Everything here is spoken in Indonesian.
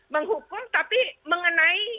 menghukum tapi mengenai